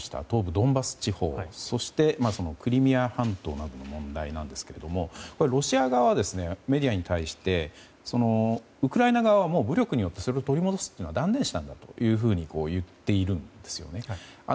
東部ドンバス地方そして、クリミア半島などの問題なんですけれどもロシア側はメディアに対してウクライナ側は武力によって取り戻すのは断念したんだというふうに言っているんですね。